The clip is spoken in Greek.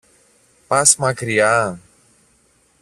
Πας μακριά;